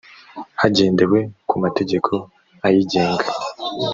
hagendewe ku mategeko ayigenga